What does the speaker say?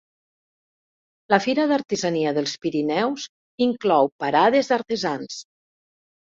La Fira d'Artesania dels Pirineus inclou parades d'artesans.